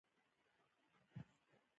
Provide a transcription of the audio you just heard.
ایا ستاسو خوراک په وخت نه دی؟